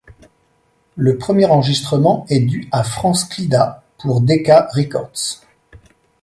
Le premier enregistrement est dû à France Clidat pour Decca Records.